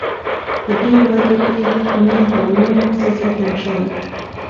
په دې ورځو کې مې بامیانو پسې زړه تنګ شوی.